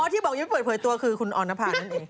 อ๋อที่บอกยังไม่เปิดเผยตัวคือคุณออนภารนั่นเอง